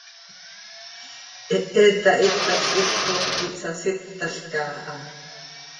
Hehet hahítalc hipcom ihsasíptalca aha.